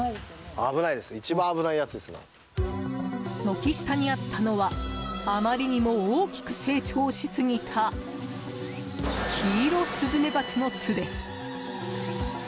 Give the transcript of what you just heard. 軒下にあったのはあまりにも大きく成長しすぎたキイロスズメバチの巣です。